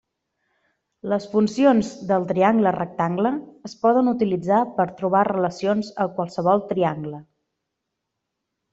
Les funcions del triangle rectangle, es poden utilitzar per trobar relacions a qualsevol triangle.